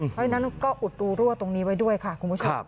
เพราะฉะนั้นก็อุดรูรั่วตรงนี้ไว้ด้วยค่ะคุณผู้ชม